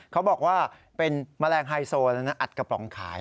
เขาบอกว่าเป็นแมลงไฮโซแล้วนะอัดกระป๋องขาย